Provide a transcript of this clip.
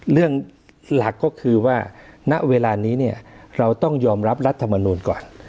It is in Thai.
หลักก็คือว่าณเวลานี้เนี่ยเราต้องยอมรับรัฐมนูลก่อน